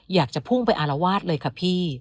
อยากจะพุ่งไปอารวาสเลยค่ะพี่